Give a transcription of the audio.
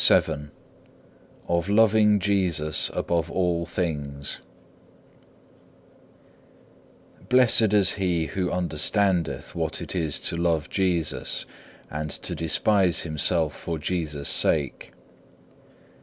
CHAPTER VII Of loving Jesus above all things Blessed is he who understandeth what it is to love Jesus, and to despise himself for Jesus' sake.